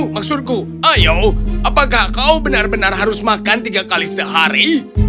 maksudku ayo apakah kau benar benar harus makan tiga kali sehari